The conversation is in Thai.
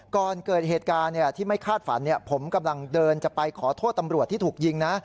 ก่อนเกิดเหตุการณ์ที่ไม่คาดฝันผมกำลังเดินจะไปขอโทษตำรวจที่ถูกยิงนะ